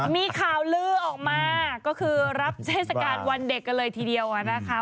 มีข่าวลือออกมาก็คือรับเทศกาลวันเด็กกันเลยทีเดียวนะคะ